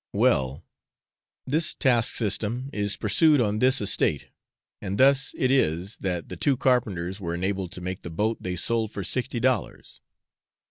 Well, this task system is pursued on this estate; and thus it is that the two carpenters were enabled to make the boat they sold for sixty dollars.